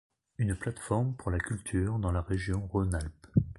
Une plateforme pour la culture dans la région Rhône-Alpes.